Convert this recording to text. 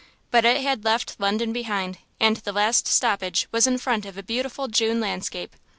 But it had left London behind, and the last stoppage was in front of a beautiful June landscape.